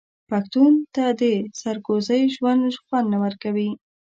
پښتون ته د سرکوزۍ ژوند خوند نه ورکوي.